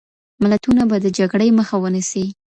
ملتونه به د جګړې مخه ونیسي.